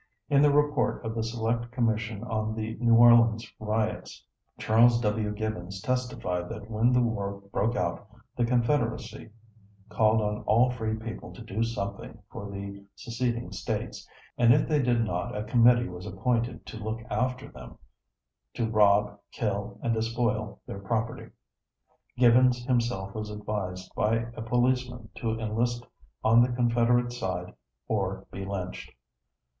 In the report of the Select Commission on the New Orleans Riots, Charles W. Gibbons testified that when the war broke out, the Confederacy called on all free people to do something for the seceding States, and if they did not a committee was appointed to look after them, to rob, kill, and despoil their property. Gibbons himself was advised by a policeman to enlist on the Confederate side or be lynched.